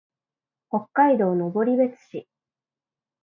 北海道登別市